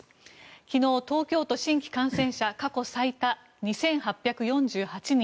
昨日、東京都の新規感染者過去最多、２８４８人。